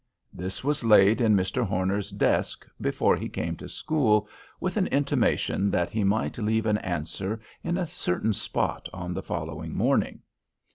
This was laid in Mr. Horner's desk before he came to school, with an intimation that he might leave an answer in a certain spot on the following morning.